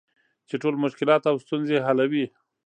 چې ټول مشکلات او ستونزې حلوي .